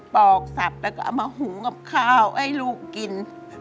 อกสับแล้วก็เอามาหุงกับข้าวให้ลูกกิน